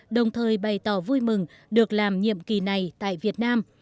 đồng thời bày tỏ vui mừng được làm nhiệm kỳ này tại việt nam